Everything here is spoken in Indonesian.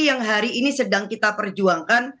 yang hari ini sedang kita perjuangkan